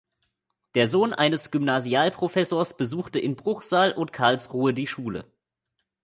Der Sohn eines Gymnasialprofessors besuchte in Bruchsal und Karlsruhe die Schule.